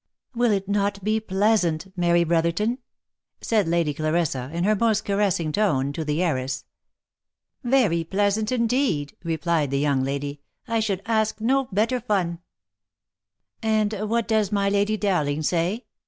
" Will it not be pleasant, Mary Brotherton ?" said Lady Clarissa, in her most caressing tone, to the heiress. " Very pleasant, indeed," replied the young lady. " I should ask no better fun." " And what does my Lady Dowling say